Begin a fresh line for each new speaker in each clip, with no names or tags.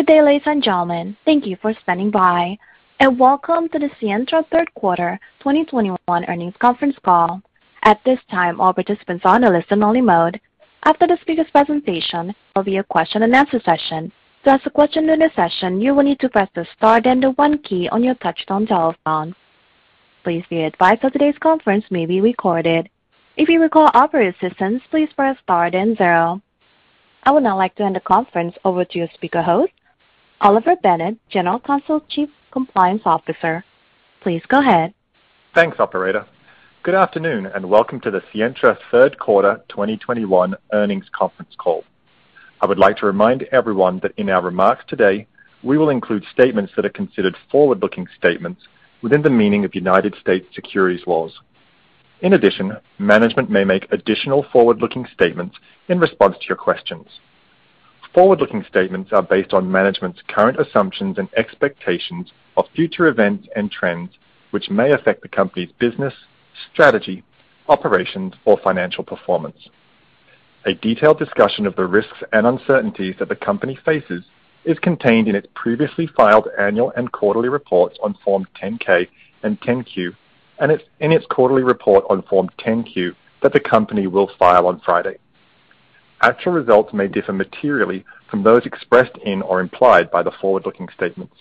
Good day, ladies and gentlemen. Thank you for standing by, and welcome to the Sientra third quarter 2021 Earnings Conference Call. At this time, all participants are on a listen only mode. After the speaker's presentation, there'll be a question-and-answer session. To ask a question during the session, you will need to press the star then the one key on your touchtone telephone. Please be advised that today's conference may be recorded. If you require operator assistance, please press star then zero. I would now like to hand the conference over to your speaker host, Oliver Bennett, General Counsel, Chief Compliance Officer. Please go ahead.
Thanks, operator. Good afternoon, and welcome to the Sientra third quarter 2021 Earnings Conference Call. I would like to remind everyone that in our remarks today, we will include statements that are considered forward-looking statements within the meaning of United States securities laws. In addition, management may make additional forward-looking statements in response to your questions. Forward-looking statements are based on management's current assumptions and expectations of future events and trends which may affect the company's business, strategy, operations, or financial performance. A detailed discussion of the risks and uncertainties that the company faces is contained in its previously filed annual and quarterly reports on Form 10-K and 10-Q, and in its quarterly report on Form 10-Q that the company will file on Friday. Actual results may differ materially from those expressed in or implied by the forward-looking statements.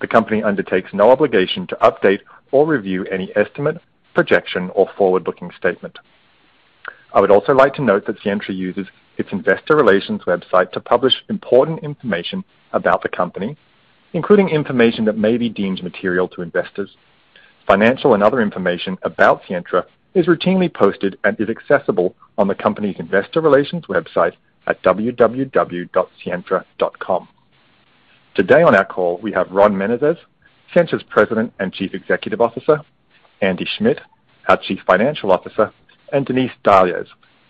The company undertakes no obligation to update or review any estimate, projection, or forward-looking statement. I would also like to note that Sientra uses its investor relations website to publish important information about the company, including information that may be deemed material to investors. Financial and other information about Sientra is routinely posted and is accessible on the company's investor relations website at www.sientra.com. Today on our call, we have Ron Menezes, Sientra's President and Chief Executive Officer, Andy Schmidt, our Chief Financial Officer, and Denise Dajles,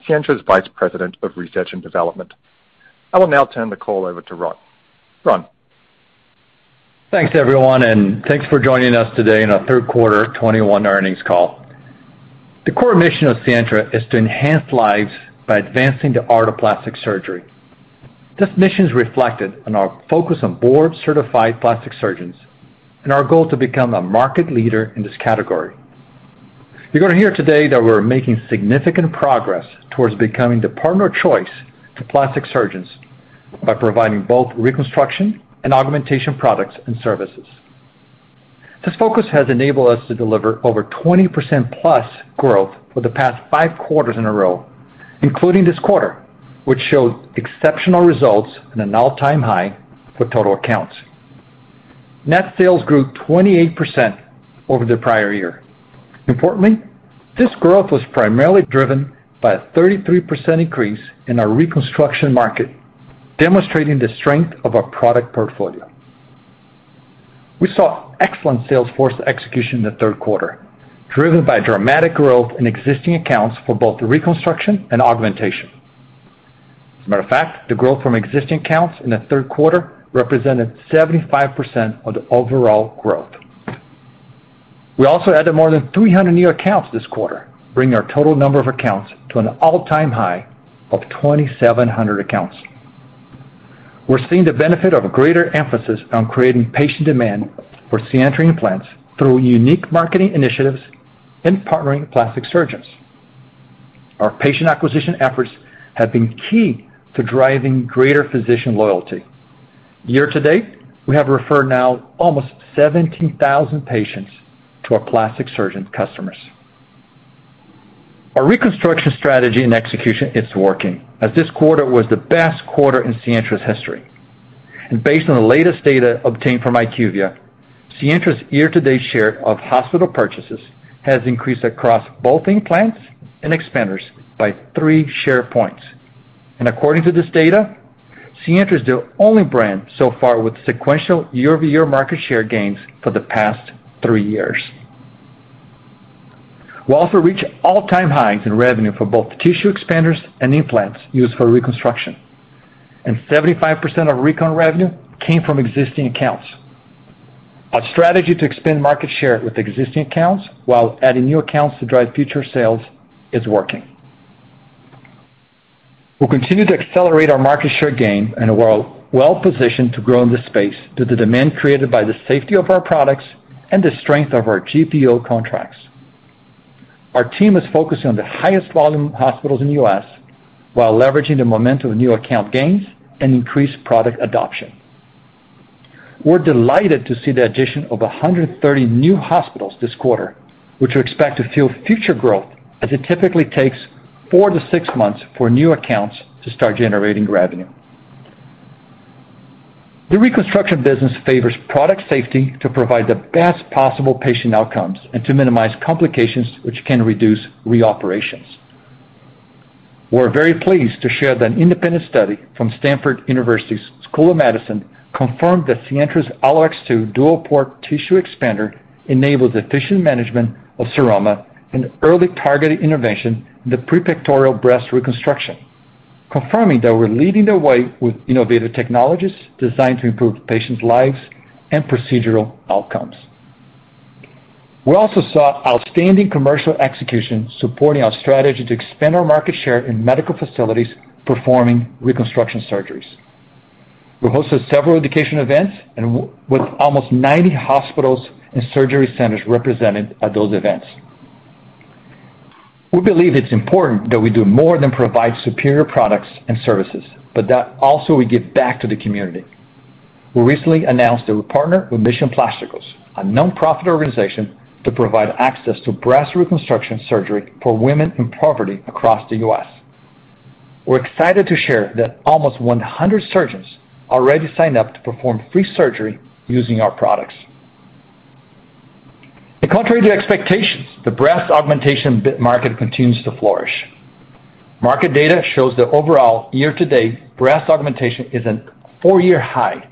Sientra's Vice President of Research and Development. I will now turn the call over to Ron. Ron?
Thanks, everyone, and thanks for joining us today in our third quarter 2021 earnings call. The core mission of Sientra is to enhance lives by advancing the art of plastic surgery. This mission is reflected on our focus on board-certified plastic surgeons and our goal to become a market leader in this category. You're gonna hear today that we're making significant progress towards becoming the partner of choice to plastic surgeons by providing both reconstruction and augmentation products and services. This focus has enabled us to deliver over 20%+ growth for the past five quarters in a row, including this quarter, which showed exceptional results and an all-time high for total accounts. Net sales grew 28% over the prior year. Importantly, this growth was primarily driven by a 33% increase in our reconstruction market, demonstrating the strength of our product portfolio. We saw excellent sales force execution in the third quarter, driven by dramatic growth in existing accounts for both reconstruction and augmentation. As a matter of fact, the growth from existing accounts in the third quarter represented 75% of the overall growth. We also added more than 300 new accounts this quarter, bringing our total number of accounts to an all-time high of 2,700 accounts. We're seeing the benefit of a greater emphasis on creating patient demand for Sientra implants through unique marketing initiatives and partnering plastic surgeons. Our patient acquisition efforts have been key to driving greater physician loyalty. Year-to-date, we have referred now almost 17,000 patients to our plastic surgeon customers. Our reconstruction strategy and execution is working, as this quarter was the best quarter in Sientra's history. Based on the latest data obtained from IQVIA, Sientra's year-to-date share of hospital purchases has increased across both implants and expanders by three share points. According to this data, Sientra is the only brand so far with sequential year-over-year market share gains for the past three years. We also reached all-time highs in revenue for both tissue expanders and implants used for reconstruction, and 75% of recon revenue came from existing accounts. Our strategy to expand market share with existing accounts while adding new accounts to drive future sales is working. We'll continue to accelerate our market share gain, and we're well-positioned to grow in this space due to demand created by the safety of our products and the strength of our GPO contracts. Our team is focused on the highest volume hospitals in the U.S. while leveraging the momentum of new account gains and increased product adoption. We're delighted to see the addition of 130 new hospitals this quarter, which we expect to fuel future growth as it typically takes four-six months for new accounts to start generating revenue. The reconstruction business favors product safety to provide the best possible patient outcomes and to minimize complications, which can reduce reoperations. We're very pleased to share that an independent study from Stanford University's School of Medicine confirmed that Sientra's AlloX2 dual port tissue expander enables efficient management of seroma and early targeted intervention in the pre-pectoral breast reconstruction, confirming that we're leading the way with innovative technologies designed to improve patients' lives and procedural outcomes. We also saw outstanding commercial execution supporting our strategy to expand our market share in medical facilities performing reconstruction surgeries. We hosted several education events and with almost 90 hospitals and surgery centers represented at those events. We believe it's important that we do more than provide superior products and services, but that also we give back to the community. We recently announced that we partner with Mission Plasticos, a nonprofit organization, to provide access to breast reconstruction surgery for women in poverty across the U.S. We're excited to share that almost 100 surgeons already signed up to perform free surgery using our products. Contrary to expectations, the breast implant market continues to flourish. Market data shows that overall year-to-date breast augmentation is at a four-year high.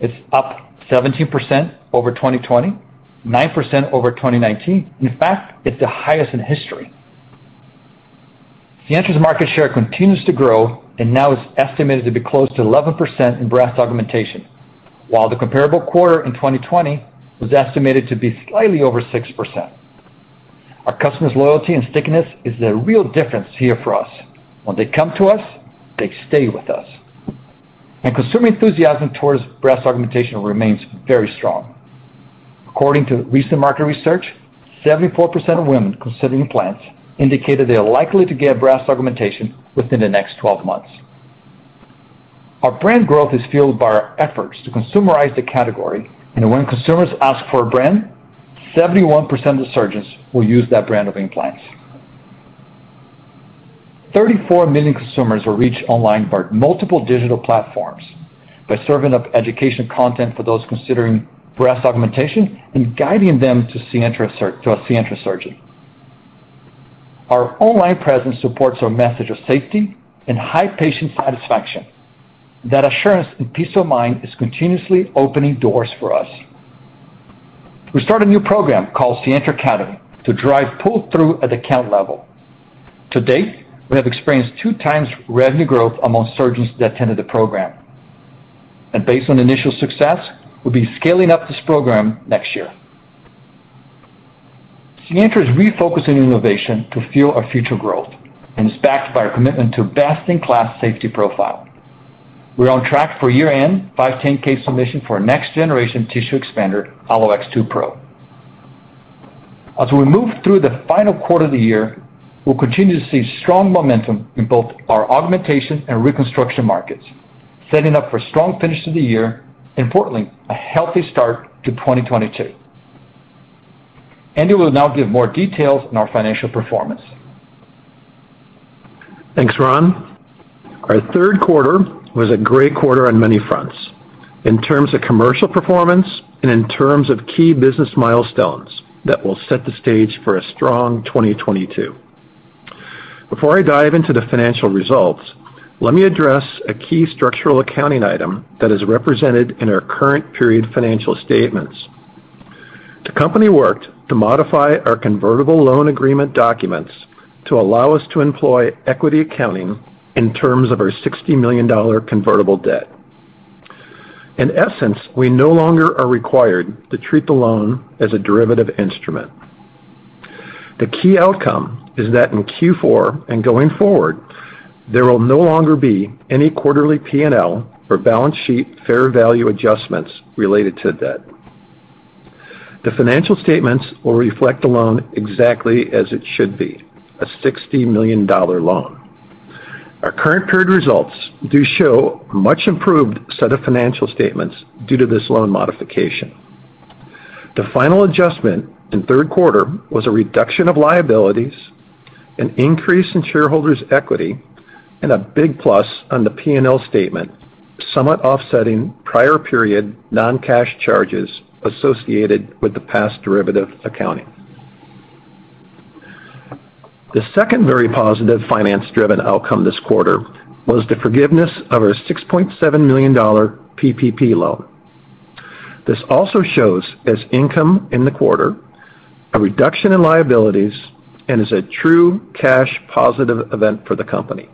It's up 17% over 2020, 9% over 2019. In fact, it's the highest in history. Sientra's market share continues to grow and now is estimated to be close to 11% in breast augmentation. While the comparable quarter in 2020 was estimated to be slightly over 6%. Our customers' loyalty and stickiness is the real difference here for us. When they come to us, they stay with us. Consumer enthusiasm towards breast augmentation remains very strong. According to recent market research, 74% of women considering implants indicated they are likely to get breast augmentation within the next 12 months. Our brand growth is fueled by our efforts to consumerize the category. When consumers ask for a brand, 71% of surgeons will use that brand of implants. We will reach 34 million consumers online by multiple digital platforms by serving up education content for those considering breast augmentation and guiding them to a Sientra surgeon. Our online presence supports our message of safety and high patient satisfaction. That assurance and peace of mind is continuously opening doors for us. We start a new program called Sientra Academy to drive pull-through at account level. To date, we have experienced 2x revenue growth among surgeons that attended the program. Based on initial success, we'll be scaling up this program next year. Sientra is refocusing innovation to fuel our future growth and is backed by our commitment to best-in-class safety profile. We're on track for year-end 510(k) submission for our next generation tissue expander AlloX2 Pro. As we move through the final quarter of the year, we'll continue to see strong momentum in both our augmentation and reconstruction markets, setting up for strong finish to the year, importantly, a healthy start to 2022. Andy will now give more details on our financial performance.
Thanks, Ron. Our third quarter was a great quarter on many fronts in terms of commercial performance and in terms of key business milestones that will set the stage for a strong 2022. Before I dive into the financial results, let me address a key structural accounting item that is represented in our current period financial statements. The company worked to modify our convertible loan agreement documents to allow us to employ equity accounting in terms of our $60 million convertible debt. In essence, we no longer are required to treat the loan as a derivative instrument. The key outcome is that in Q4 and going forward, there will no longer be any quarterly P&L or balance sheet fair value adjustments related to debt. The financial statements will reflect the loan exactly as it should be, a $60 million loan. Our current period results do show a much improved set of financial statements due to this loan modification. The final adjustment in third quarter was a reduction of liabilities, an increase in shareholders' equity, and a big plus on the P&L statement, somewhat offsetting prior period non-cash charges associated with the past derivative accounting. The second very positive finance-driven outcome this quarter was the forgiveness of our $6.7 million PPP loan. This also shows as income in the quarter a reduction in liabilities and is a true cash positive event for the company.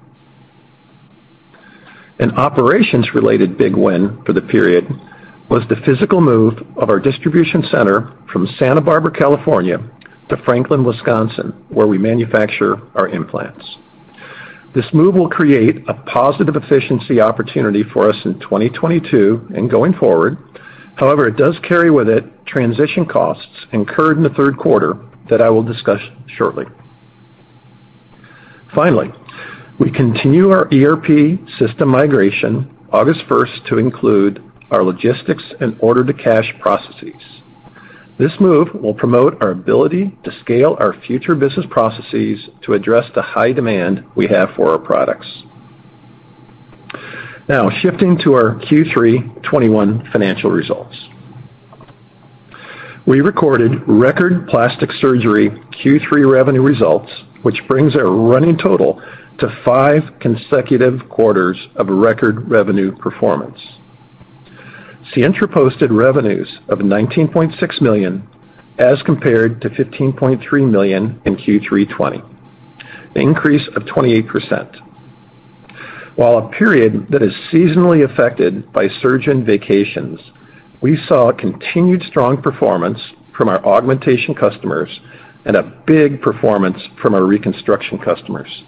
An operations related big win for the period was the physical move of our distribution center from Santa Barbara, California, to Franklin, Wisconsin, where we manufacture our implants. This move will create a positive efficiency opportunity for us in 2022 and going forward. However, it does carry with it transition costs incurred in the third quarter that I will discuss shortly. Finally, we continue our ERP system migration August 1st to include our logistics and order to cash processes. This move will promote our ability to scale our future business processes to address the high demand we have for our products. Now, shifting to our Q3 2021 financial results. We recorded record plastic surgery Q3 revenue results, which brings our running total to five consecutive quarters of record revenue performance. Sientra posted revenues of $19.6 million as compared to $15.3 million in Q3 2020, an increase of 28%. While a period that is seasonally affected by surgeon vacations, we saw a continued strong performance from our augmentation customers and a big performance from our reconstruction customers.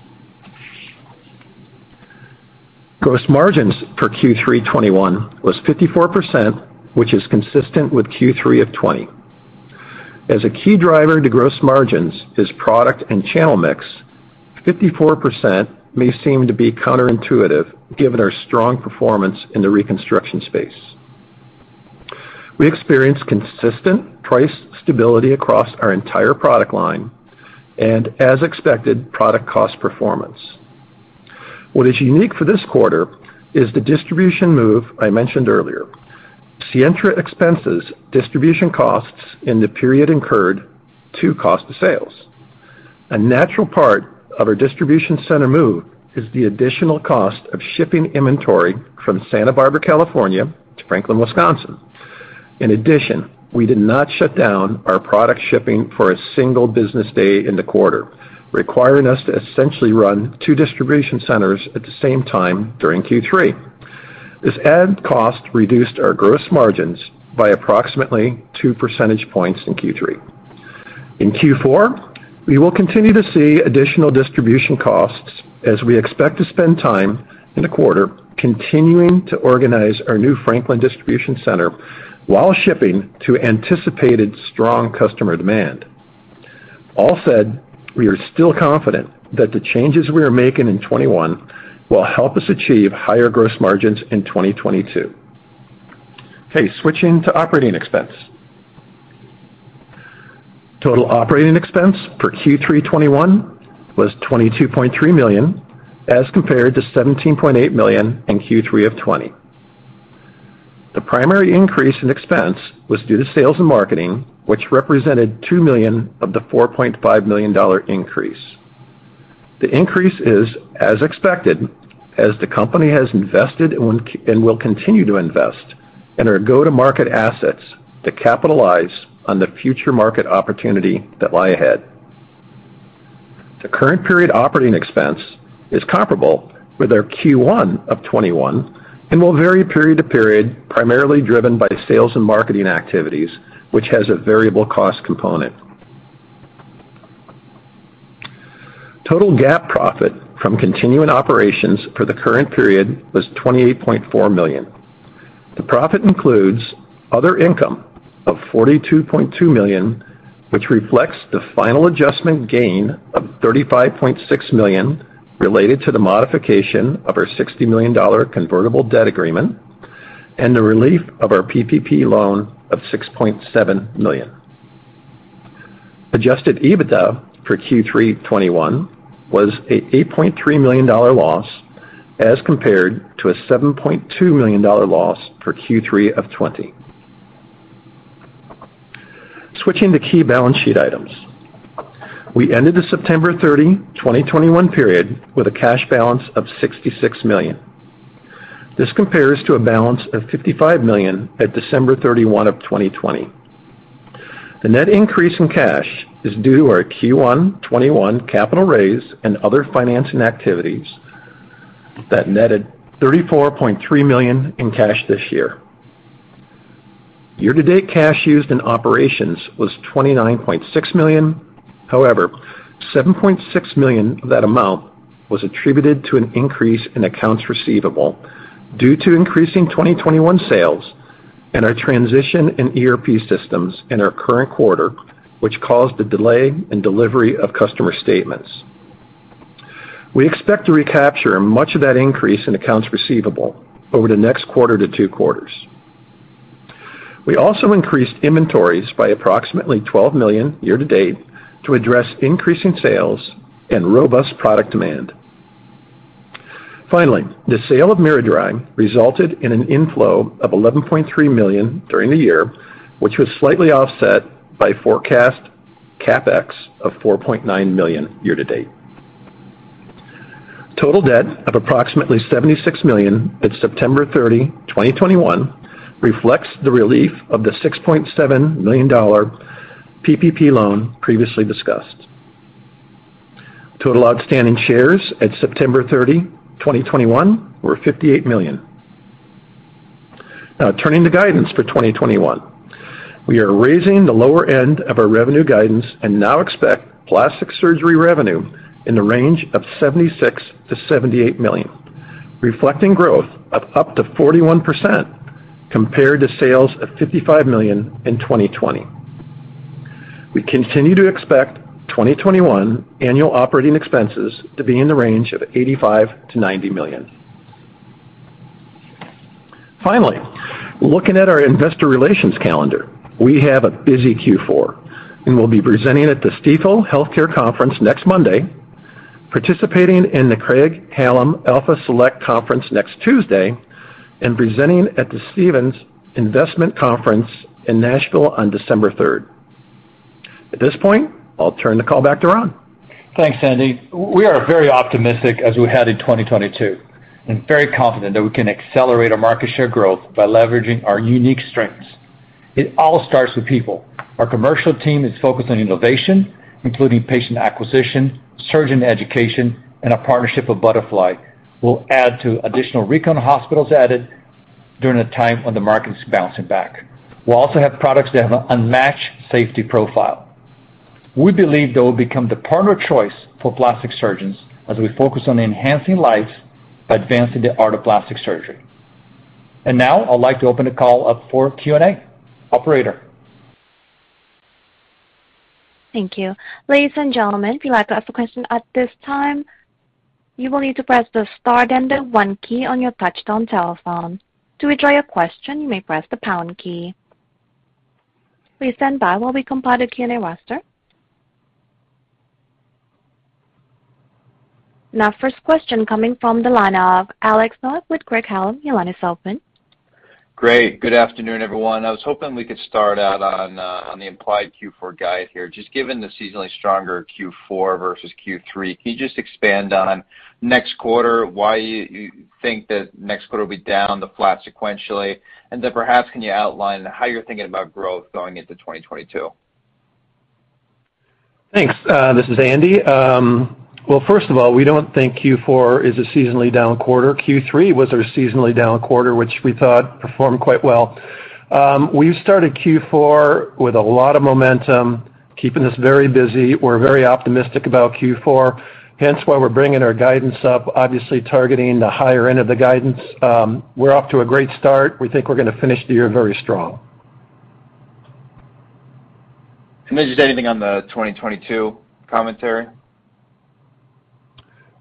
Gross margins for Q3 2021 was 54%, which is consistent with Q3 of 2020. As a key driver to gross margins is product and channel mix, 54% may seem to be counterintuitive given our strong performance in the reconstruction space. We experienced consistent price stability across our entire product line and, as expected, product cost performance. What is unique for this quarter is the distribution move I mentioned earlier. Sientra expenses distribution costs in the period incurred to cost of sales. A natural part of our distribution center move is the additional cost of shipping inventory from Santa Barbara, California, to Franklin, Wisconsin. In addition, we did not shut down our product shipping for a single business day in the quarter, requiring us to essentially run two distribution centers at the same time during Q3. This added cost reduced our gross margins by approximately 2 percentage points in Q3. In Q4, we will continue to see additional distribution costs as we expect to spend time in the quarter continuing to organize our new Franklin distribution center while shipping to anticipated strong customer demand. All said, we are still confident that the changes we are making in 2021 will help us achieve higher gross margins in 2022. Okay, switching to operating expense. Total operating expense for Q3 2021 was $22.3 million, as compared to $17.8 million in Q3 of 2020. The primary increase in expense was due to sales and marketing, which represented $2 million of the $4.5 million increase. The increase is as expected, as the company has invested and will continue to invest in our go-to-market assets to capitalize on the future market opportunity that lie ahead. The current period operating expense is comparable with our Q1 of 2021 and will vary period to period, primarily driven by sales and marketing activities, which has a variable cost component. Total GAAP profit from continuing operations for the current period was $28.4 million. The profit includes other income of $42.2 million, which reflects the final adjustment gain of $35.6 million related to the modification of our $60 million convertible debt agreement and the relief of our PPP loan of $6.7 million. Adjusted EBITDA for Q3 2021 was an $8.3 million loss as compared to a $7.2 million loss for Q3 of 2020. Switching to key balance sheet items. We ended the September 30, 2021 period with a cash balance of $66 million. This compares to a balance of $55 million at December 31, 2020. The net increase in cash is due to our Q1 2021 capital raise and other financing activities that netted $34.3 million in cash this year. Year-to-date cash used in operations was $29.6 million. However, $7.6 million of that amount was attributed to an increase in accounts receivable due to increasing 2021 sales and our transition in ERP systems in our current quarter, which caused a delay in delivery of customer statements. We expect to recapture much of that increase in accounts receivable over the next quarter to two quarters. We also increased inventories by approximately $12 million year-to-date to address increasing sales and robust product demand. Finally, the sale of miraDry resulted in an inflow of $11.3 million during the year, which was slightly offset by forecast CapEx of $4.9 million year-to-date. Total debt of approximately $76 million at September 30, 2021, reflects the relief of the $6.7 million PPP loan previously discussed. Total outstanding shares at September 30, 2021, were 58 million. Now turning to guidance for 2021. We are raising the lower end of our revenue guidance and now expect plastic surgery revenue in the range of $76 million-$78 million, reflecting growth of up to 41% compared to sales of $55 million in 2020. We continue to expect 2021 annual operating expenses to be in the range of $85 million-$90 million. Finally, looking at our investor relations calendar, we have a busy Q4, and we'll be presenting at the Stifel Healthcare Conference next Monday, participating in the Craig-Hallum Alpha Select Conference next Tuesday, and presenting at the Stephens Investment Conference in Nashville on December third. At this point, I'll turn the call back to Ron.
Thanks, Andy. We are very optimistic as we head in 2022 and very confident that we can accelerate our market share growth by leveraging our unique strengths. It all starts with people. Our commercial team is focused on innovation, including patient acquisition, surgeon education, and our partnership with Butterfly will add to additional recon hospitals added during a time when the market's bouncing back. We also have products that have an unmatched safety profile. We believe that we'll become the partner of choice for plastic surgeons as we focus on enhancing lives by advancing the art of plastic surgery. Now I'd like to open the call up for Q&A. Operator?
Thank you. Ladies and gentlemen, if you'd like to ask a question at this time, you will need to press the star then the one key on your touchtone telephone. To withdraw your question, you may press the pound key. Please stand by while we compile the Q&A roster. Now first question coming from the line of Alex Nowak with Craig-Hallum. Your line is open.
Great. Good afternoon, everyone. I was hoping we could start out on the implied Q4 guide here, just given the seasonally stronger Q4 versus Q3. Can you just expand on next quarter, why you think that next quarter will be down to flat sequentially? Perhaps can you outline how you're thinking about growth going into 2022?
Thanks. This is Andy. Well, first of all, we don't think Q4 is a seasonally down quarter. Q3 was our seasonally down quarter, which we thought performed quite well. We've started Q4 with a lot of momentum, keeping us very busy. We're very optimistic about Q4, hence why we're bringing our guidance up, obviously targeting the higher end of the guidance. We're off to a great start. We think we're gonna finish the year very strong.
Is there anything on the 2022 commentary?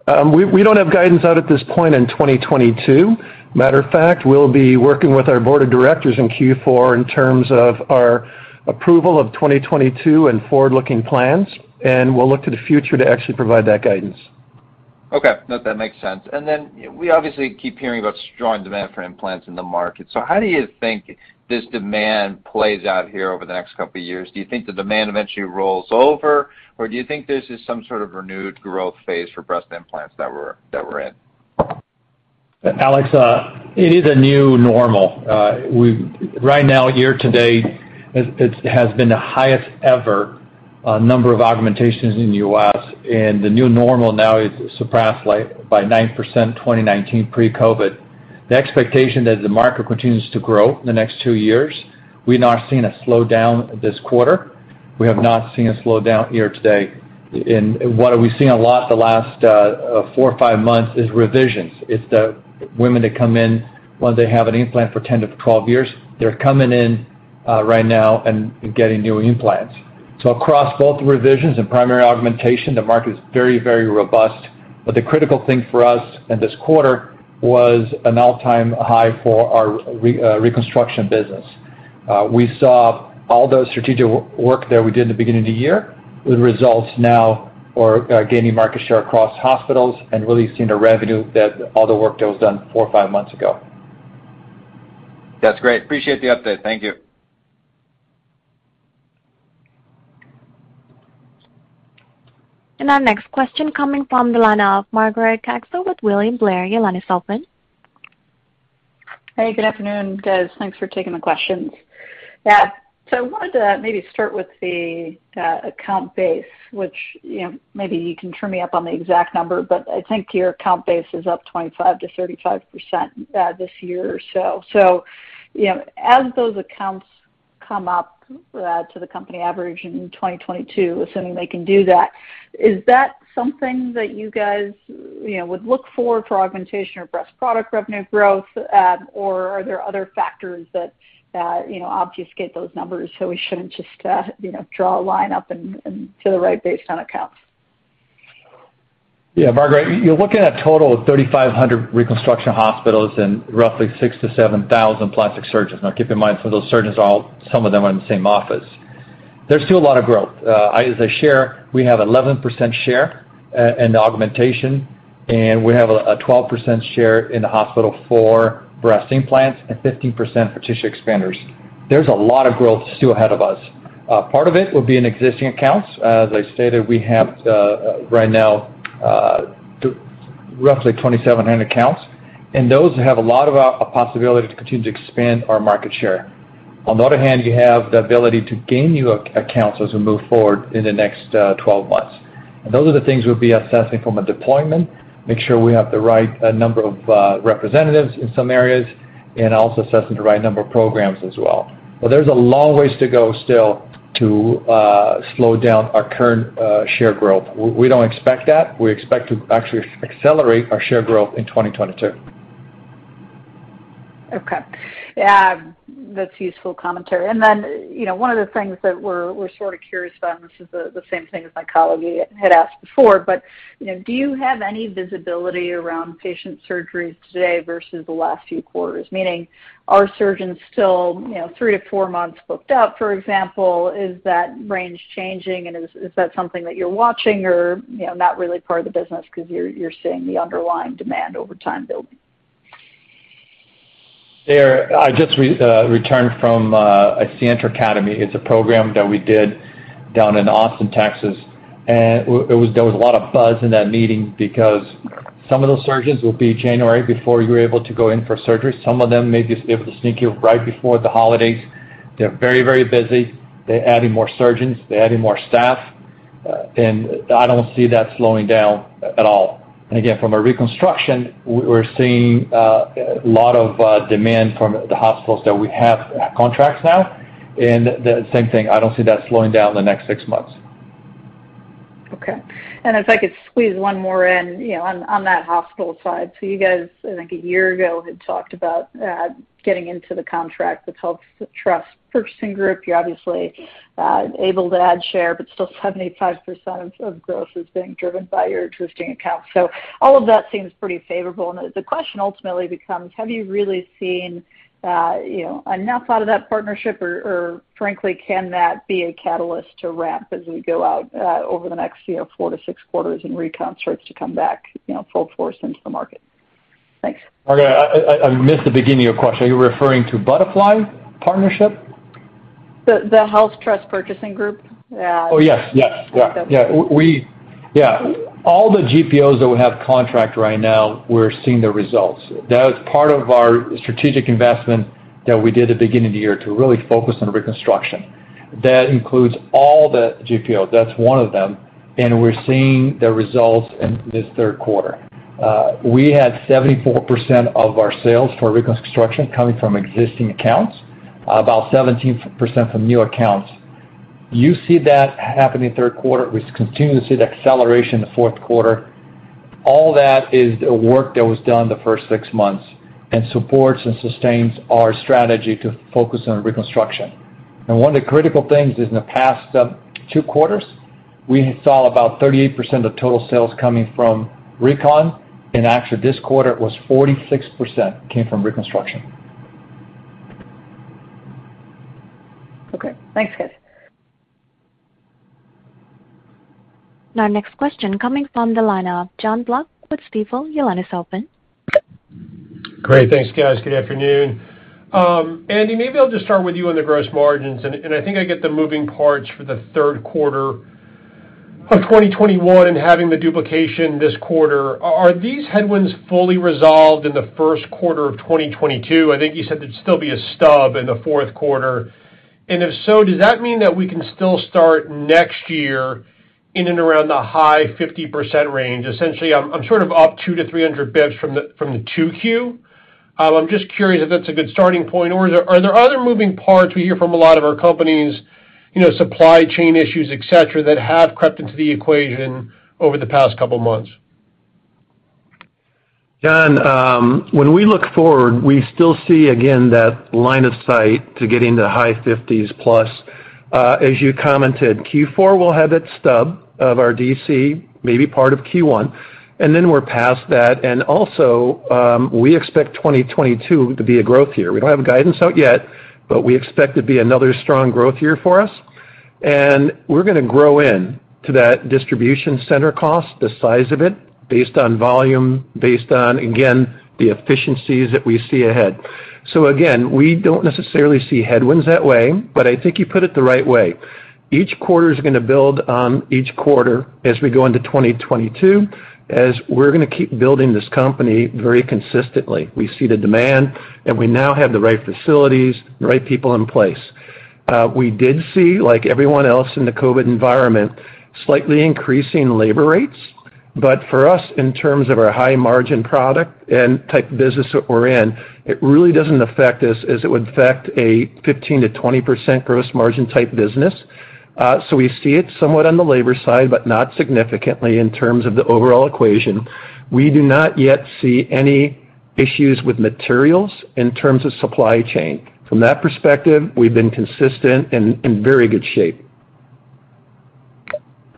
We don't have guidance out at this point in 2022. Matter of fact, we'll be working with our board of directors in Q4 in terms of our approval of 2022 and forward-looking plans, and we'll look to the future to actually provide that guidance.
Okay. No, that makes sense. Then we obviously keep hearing about strong demand for implants in the market. How do you think this demand plays out here over the next couple of years? Do you think the demand eventually rolls over, or do you think this is some sort of renewed growth phase for breast implants that we're in?
Alex, it is a new normal. Right now, year-to-date, it has been the highest ever number of augmentations in the U.S., and the new normal now is surpassed by 9% 2019 pre-COVID. The expectation that the market continues to grow in the next two years, we have not seen a slowdown this quarter. We have not seen a slowdown year-to-date. What we've seen a lot the last four or five months is revisions. It's the women that come in when they have an implant for 10-12 years, they're coming in right now and getting new implants. Across both revisions and primary augmentation, the market is very, very robust. The critical thing for us in this quarter was an all-time high for our reconstruction business. We saw all the strategic work that we did in the beginning of the year with results now, our gaining market share across hospitals and really seeing the revenue that all the work that was done four or five months ago.
That's great. Appreciate the update. Thank you.
Our next question coming from the line of Margaret Kaczor with William Blair. Your line is open.
Hey, good afternoon, guys. Thanks for taking the questions. Yeah, so I wanted to maybe start with the account base, which, you know, maybe you can turn me up on the exact number, but I think your account base is up 25%-35% this year or so. You know, as those accounts come up to the company average in 2022, assuming they can do that, is that something that you guys, you know, would look for augmentation or breast product revenue growth? Or are there other factors that, you know, obfuscate those numbers, so we shouldn't just, you know, draw a line up and to the right based on accounts?
Yeah, Margaret, you're looking at a total of 3,500 reconstruction hospitals and roughly 6,000-7,000 plastic surgeons. Now keep in mind, some of those surgeons are all—some of them are in the same office. There's still a lot of growth. As I share, we have 11% share in the augmentation, and we have a 12 percent share in the hospital for breast implants and 15% for tissue expanders. There's a lot of growth still ahead of us. Part of it will be in existing accounts. As I stated, we have, right now, roughly 2,700 accounts, and those have a lot of possibility to continue to expand our market share. On the other hand, you have the ability to gain new accounts as we move forward in the next 12 months. Those are the things we'll be assessing from a deployment, make sure we have the right number of representatives in some areas, and also assessing the right number of programs as well. There's a long ways to go still to slow down our current share growth. We don't expect that. We expect to actually accelerate our share growth in 2022.
Okay. Yeah, that's useful commentary. You know, one of the things that we're sort of curious about, and this is the same thing as my colleague had asked before, but, you know, do you have any visibility around patient surgeries today versus the last few quarters? Meaning, are surgeons still, you know, three or four months booked up, for example? Is that range changing? Is that something that you're watching or, you know, not really part of the business because you're seeing the underlying demand over time building?
I just returned from a Sientra Academy. It's a program that we did down in Austin, Texas. It was—there was a lot of buzz in that meeting because some of those surgeons are booked until January before you're able to go in for surgery. Some of them may be able to sneak you right before the holidays. They're very, very busy. They're adding more surgeons, they're adding more staff, and I don't see that slowing down at all. Again, from a reconstruction, we're seeing a lot of demand from the hospitals that we have contracts now. The same thing, I don't see that slowing down in the next six months.
Okay. If I could squeeze one more in, you know, on that hospital side. You guys, I think a year ago, had talked about getting into the contract with HealthTrust Purchasing Group. You're obviously able to add share, but still 75% of growth is being driven by your existing accounts. All of that seems pretty favorable. The question ultimately becomes, have you really seen, you know, enough out of that partnership? Or frankly, can that be a catalyst to ramp as we go out over the next, you know, four-six quarters and recon starts to come back, you know, full force into the market? Thanks.
Margaret, I missed the beginning of your question. Are you referring to Butterfly partnership?
The HealthTrust Purchasing Group. Yeah.
All the GPOs that we have contracts right now, we're seeing the results. That is part of our strategic investment that we did at the beginning of the year to really focus on reconstruction. That includes all the GPOs, that's one of them, and we're seeing the results in this third quarter. We had 74% of our sales for reconstruction coming from existing accounts, about 17% from new accounts. You see that happening in the third quarter. We continue to see the acceleration in the fourth quarter. All that is the work that was done the first six months and supports and sustains our strategy to focus on reconstruction. One of the critical things is in the past two quarters, we saw about 38% of total sales coming from recon. In actuality, this quarter, it was 46% came from reconstruction.
Okay. Thanks, guys.
Our next question coming from the line of Jon Block with Stifel. Your line is open.
Great. Thanks, guys. Good afternoon. Andy, maybe I'll just start with you on the gross margins, and I think I get the moving parts for the third quarter of 2021 and having the duplication this quarter. Are these headwinds fully resolved in the first quarter of 2022? I think you said there'd still be a stub in the fourth quarter. And if so, does that mean that we can still start next year in and around the high 50% range? Essentially, I'm sort of up 200-300 bps from the 2Q. I'm just curious if that's a good starting point, or are there other moving parts we hear from a lot of our companies, you know, supply chain issues, et cetera, that have crept into the equation over the past couple of months?
Jon, when we look forward, we still see again that line of sight to getting to high 50s plus. As you commented, Q4 will have its stub of our DC, maybe part of Q1, and then we're past that. Also, we expect 2022 to be a growth year. We don't have guidance out yet, but we expect it to be another strong growth year for us. We're gonna grow into that distribution center cost, the size of it based on volume, based on, again, the efficiencies that we see ahead. Again, we don't necessarily see headwinds that way, but I think you put it the right way. Each quarter is gonna build on each quarter as we go into 2022, as we're gonna keep building this company very consistently. We see the demand, and we now have the right facilities, the right people in place. We did see, like everyone else in the COVID environment, slightly increasing labor rates. For us, in terms of our high margin product and type of business that we're in, it really doesn't affect us as it would affect a 15%-20% gross margin type business. We see it somewhat on the labor side, but not significantly in terms of the overall equation. We do not yet see any issues with materials in terms of supply chain. From that perspective, we've been consistent and in very good shape.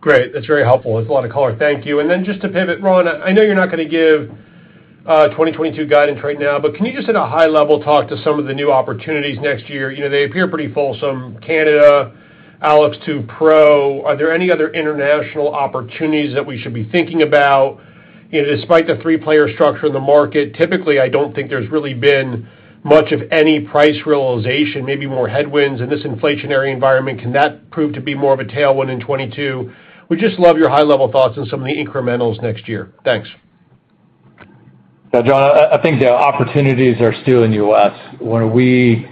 Great. That's very helpful. There's a lot of color. Thank you. Just to pivot, Ron, I know you're not gonna give 2022 guidance right now, but can you just at a high-level talk to some of the new opportunities next year? You know, they appear pretty fulsome. Canada, AlloX2 Pro. Are there any other international opportunities that we should be thinking about? You know, despite the three-player structure in the market, typically, I don't think there's really been much of any price realization, maybe more headwinds in this inflationary environment. Can that prove to be more of a tailwind in 2022? We just love your high-level thoughts on some of the incrementals next year. Thanks.
Yeah, Jon, I think the opportunities are still in U.S. While we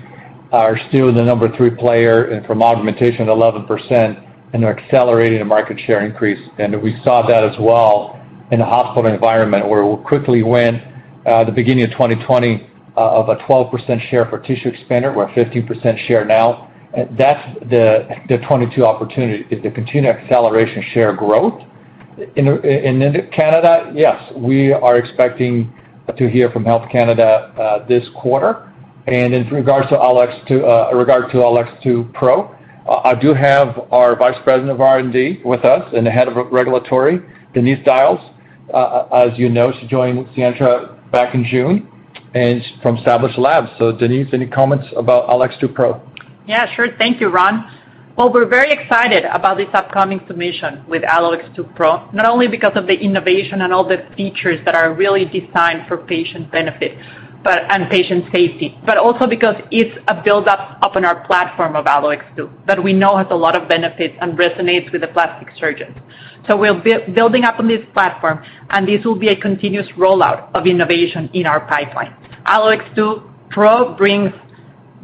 are still the number three player and in augmentation 11% and are accelerating the market share increase. We saw that as well in a hospital environment where we quickly went at the beginning of 2020 of a 12% share for tissue expander. We're at 15% share now. That's the 2022 opportunity is to continue acceleration share growth. In Canada, yes, we are expecting to hear from Health Canada this quarter. In regard to AlloX2 Pro, I do have our Vice President of R&D with us and the head of regulatory, Denise Dajles. As you know, she joined Sientra back in June, and from Establishment Labs. So Denise, any comments about AlloX2 Pro?
Yeah, sure. Thank you, Ron. Well, we're very excited about this upcoming submission with AlloX2 Pro, not only because of the innovation and all the features that are really designed for patient benefit. patient safety, but also because it's a build-up on our platform of AlloX2 that we know has a lot of benefits and resonates with the plastic surgeons. We're building up on this platform, and this will be a continuous rollout of innovation in our pipeline. AlloX2 Pro brings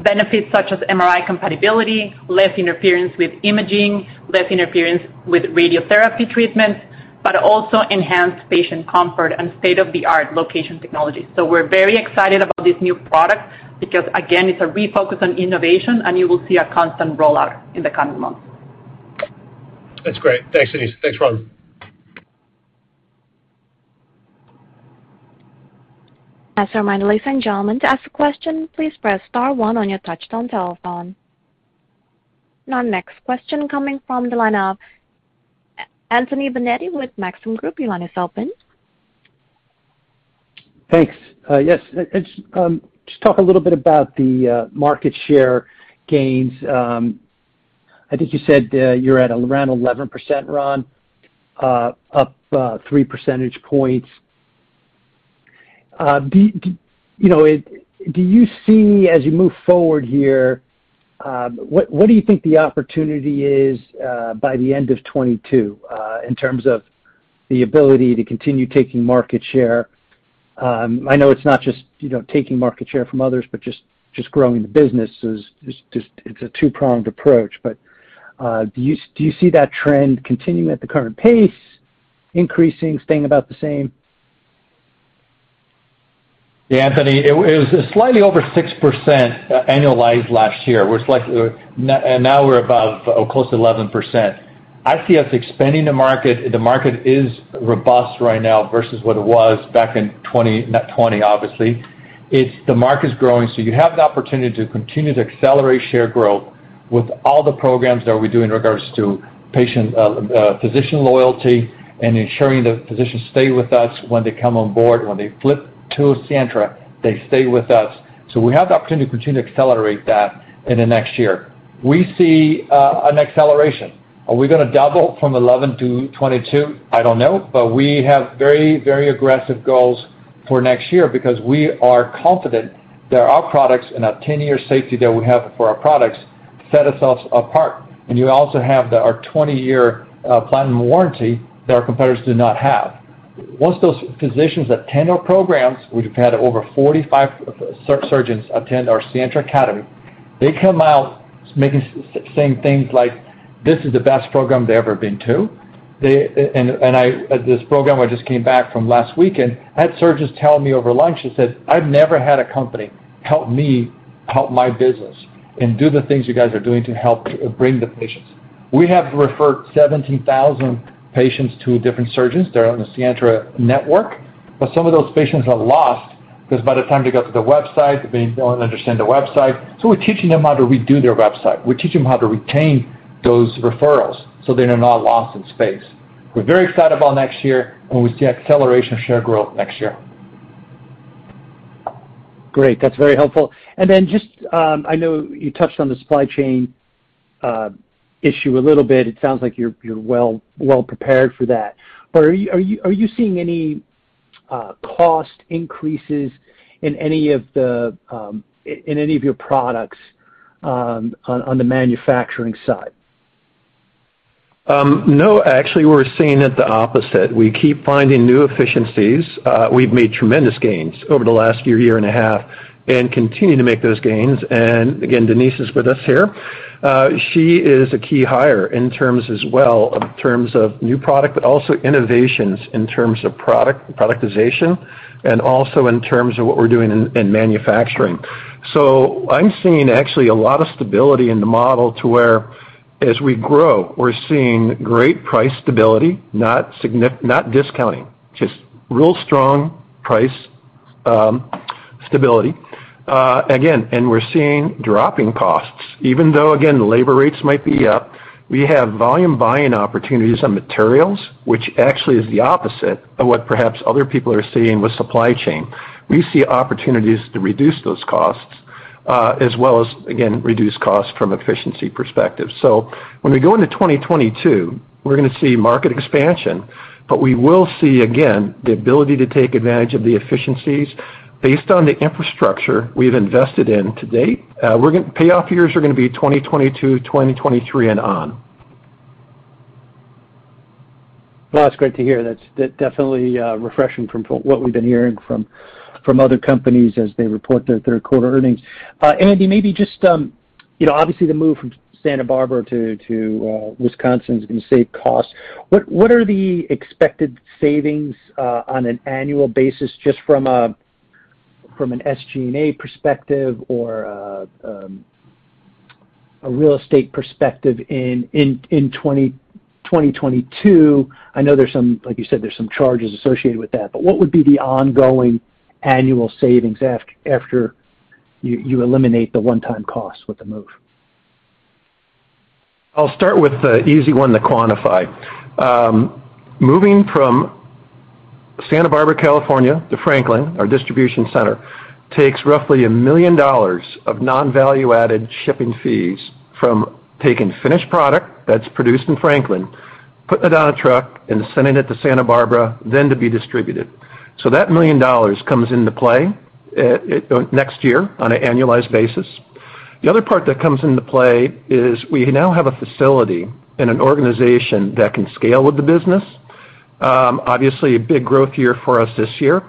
benefits such as MRI compatibility, less interference with imaging, less interference with radiotherapy treatments, but also enhanced patient comfort and state-of-the-art location technology. We're very excited about this new product because, again, it's a refocus on innovation, and you will see a constant rollout in the coming months.
That's great. Thanks, Denise. Thanks, Ron.
As a reminder, ladies and gentlemen, to ask a question, please press star one on your touchtone telephone. Our next question coming from the line of Anthony Vendetti with Maxim Group. Your line is open.
Thanks. Yes, just talk a little bit about the market share gains. I think you said you're at around 11%, Ron, up three percentage points. Do you see as you move forward here what do you think the opportunity is by the end of 2022 in terms of the ability to continue taking market share? I know it's not just, you know, taking market share from others, but just growing the business. It's a two-pronged approach. Do you see that trend continuing at the current pace, increasing, staying about the same?
Yeah, Anthony, it was slightly over 6%, annualized last year. We're and now we're above or close to 11%. I see us expanding the market. The market is robust right now versus what it was back in 20 - not 20 obviously. It's the market's growing, so you have the opportunity to continue to accelerate share growth with all the programs that we do in regards to patient physician loyalty and ensuring the physicians stay with us when they come on board. When they flip to Sientra, they stay with us. We have the opportunity to continue to accelerate that in the next year. We see an acceleration. Are we gonna double from 11% to 22%? I don't know. We have very, very aggressive goals for next year because we are confident that our products and our 10-year safety that we have for our products set ourselves apart. You also have our 20-year platinum warranty that our competitors do not have. Once those physicians attend our programs, we've had over 45 surgeons attend our Sientra Academy. They come out saying things like, "This is the best program they've ever been to." This program I just came back from last weekend, I had surgeons telling me over lunch. They said, "I've never had a company help me help my business and do the things you guys are doing to help bring the patients." We have referred 70,000 patients to different surgeons that are on the Sientra network. Some of those patients are lost 'cause by the time they get to the website, they don't understand the website. We're teaching them how to redo their website. We're teaching them how to retain those referrals, so they're not lost in space. We're very excited about next year when we see acceleration of share growth next year.
Great. That's very helpful. Just, I know you touched on the supply chain issue a little bit. It sounds like you're well prepared for that. Are you seeing any cost increases in any of your products, on the manufacturing side?
No. Actually, we're seeing it the opposite. We keep finding new efficiencies. We've made tremendous gains over the last year and a half, and continue to make those gains. Again, Denise is with us here. She is a key hire in terms as well in terms of new product, but also innovations in terms of product, productization, and also in terms of what we're doing in manufacturing. I'm seeing actually a lot of stability in the model to where as we grow, we're seeing great price stability, not discounting, just real strong price stability. Again, we're seeing dropping costs. Even though again, labor rates might be up, we have volume buying opportunities on materials, which actually is the opposite of what perhaps other people are seeing with supply chain. We see opportunities to reduce those costs, as well as, again, reduce costs from efficiency perspective. When we go into 2022, we're gonna see market expansion, but we will see, again, the ability to take advantage of the efficiencies based on the infrastructure we've invested in to date. Payoff years are gonna be 2022, 2023, and on.
That's great to hear. That's definitely refreshing from what we've been hearing from other companies as they report their third quarter earnings. Andy, maybe just you know, obviously the move from Santa Barbara to Wisconsin is gonna save costs. What are the expected savings on an annual basis just from an SG&A perspective or a real estate perspective in 2022? I know there's some like you said, there's some charges associated with that. What would be the ongoing annual savings after you eliminate the one-time costs with the move?
I'll start with the easy one to quantify. Moving from Santa Barbara, California, to Franklin, our distribution center, takes roughly $1 million of non-value-added shipping fees from taking finished product that's produced in Franklin, putting it on a truck and sending it to Santa Barbara then to be distributed. That $1 million comes into play next year on an annualized basis. The other part that comes into play is we now have a facility and an organization that can scale with the business. Obviously, a big growth year for us this year.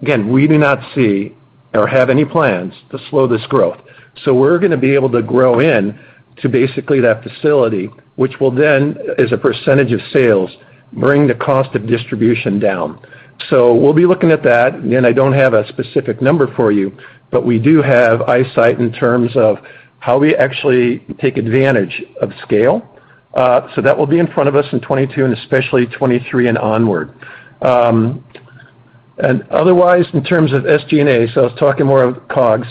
Again, we do not see or have any plans to slow this growth. We're gonna be able to grow into basically that facility, which will then, as a percentage of sales, bring the cost of distribution down. We'll be looking at that. Again, I don't have a specific number for you, but we do have insight in terms of how we actually take advantage of scale. So that will be in front of us in 2022 and especially 2023 and onward. Otherwise, in terms of SG&A, so I was talking more of COGS.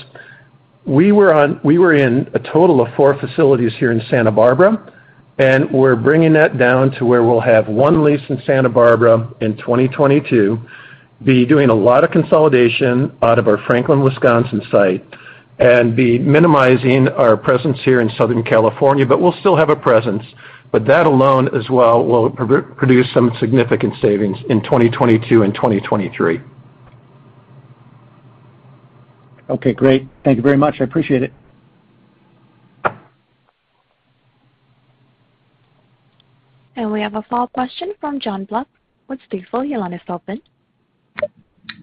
We were in a total of four facilities here in Santa Barbara, and we're bringing that down to where we'll have one lease in Santa Barbara in 2022, be doing a lot of consolidation out of our Franklin, Wisconsin site, and be minimizing our presence here in Southern California, but we'll still have a presence. But that alone as well will produce some significant savings in 2022 and 2023.
Okay, great. Thank you very much. I appreciate it.
We have a follow-up question from Jon Block with Stifel. Your line is open.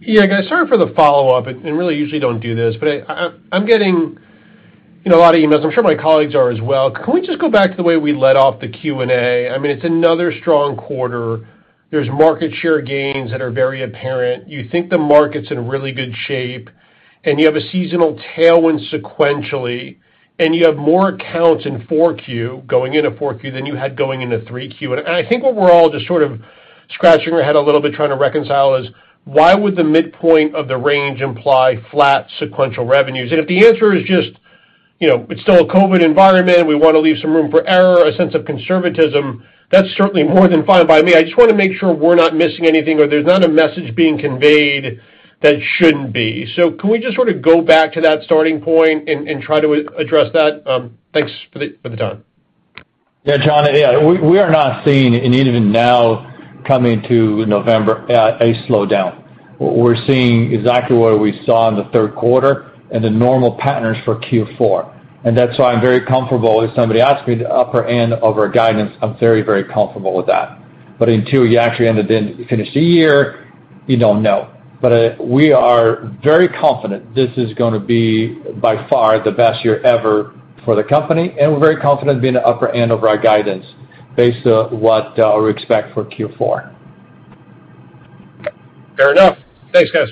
Yeah, guys, sorry for the follow-up, and I really usually don't do this, but I'm getting, you know, a lot of emails. I'm sure my colleagues are as well. Can we just go back to the way we led off the Q&A? I mean, it's another strong quarter. There's market share gains that are very apparent. You think the market's in really good shape, and you have a seasonal tailwind sequentially, and you have more accounts in 4Q, going into 4Q than you had going into 3Q. I think what we're all just sort of scratching our head a little bit trying to reconcile is why would the midpoint of the range imply flat sequential revenues? If the answer is just, you know, it's still a COVID environment, we wanna leave some room for error, a sense of conservatism, that's certainly more than fine by me. I just wanna make sure we're not missing anything or there's not a message being conveyed that shouldn't be. Can we just sort of go back to that starting point and try to address that? Thanks for the time.
Yeah, Jon. Yeah. We are not seeing and even now coming to November, a slowdown. We're seeing exactly what we saw in the third quarter and the normal patterns for Q4. That's why I'm very comfortable if somebody asks me the upper end of our guidance. I'm very, very comfortable with that. Until you actually finish the year, you don't know. We are very confident this is gonna be by far the best year ever for the company, and we're very confident being the upper end of our guidance based on what we expect for Q4.
Fair enough. Thanks, guys.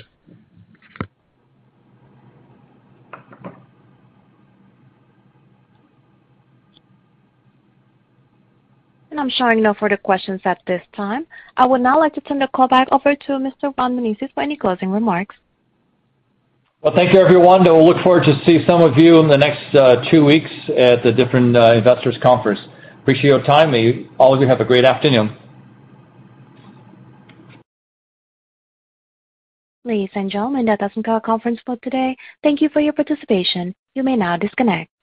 I'm showing no further questions at this time. I would now like to turn the call back over to Mr. Ron Menezes for any closing remarks.
Well, thank you everyone, and we'll look forward to see some of you in the next two weeks at the different investors conference. Appreciate your time. All of you have a great afternoon.
Ladies and gentlemen, that does end our conference call today. Thank you for your participation. You may now disconnect.